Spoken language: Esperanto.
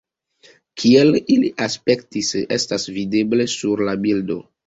Kiel ili aspektis, estas videble sur la bildo.